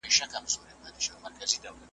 خو ټوټې یې تر میلیون وي رسېدلي .